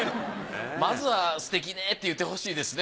まずは「すてきね」って言ってほしいですね。